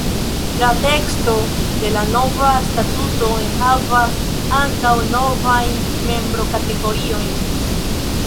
La teksto de la nova statuto enhavas ankaŭ novajn membrokategoriojn.